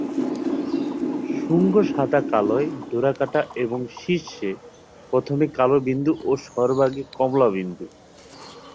শুঙ্গ সাদা কালোয় ডোরাকাটা এবং শীর্ষে প্রথমে কালো বিন্দু ও সর্বাগ্রে কমলা বিন্দু।